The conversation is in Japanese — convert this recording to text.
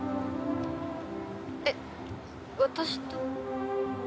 えっ私と？